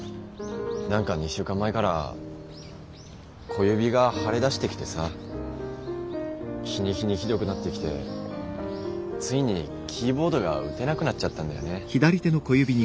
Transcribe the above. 何か２週間前から小指が腫れだしてきてさ日に日にひどくなってきてついにキーボードが打てなくなっちゃったんだよね。